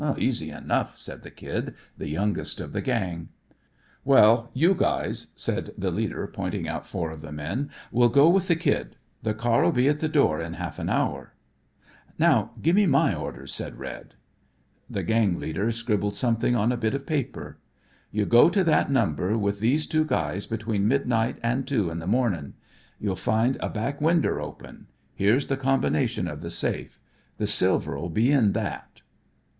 "Easy enough," said the Kid, the youngest of the gang. "Well, you guys," said the leader pointing out four of the men, "will go with the Kid. The car'll be at the door in half an hour." "Now, gimme my orders," said Red. The gang leader scribbled something on a bit of paper. "You go to that number with these two guys between midnight an' two in the mornin'. You'll find a back winder open. Here's the combination of the safe. The silver'll be in that."